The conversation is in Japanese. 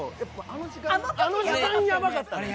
あの時間ヤバかったね。